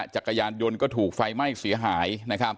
จักรยานยนต์ก็ถูกไฟไหม้เสียหาย